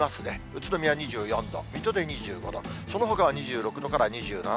宇都宮２４度、水戸で２５度、そのほかは２６度から２７度。